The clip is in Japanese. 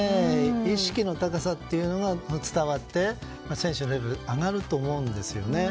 意識の高さというのが伝わって選手のレベルが上がると思うんですよね。